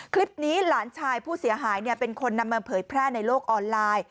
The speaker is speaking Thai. คลิปนี้หลานชายผู้เสียหายเป็นคนนำมาเผยแพร่ในโลกออนไลน์